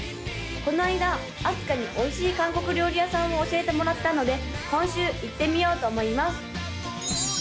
この間あすかにおいしい韓国料理屋さんを教えてもらったので今週行ってみようと思います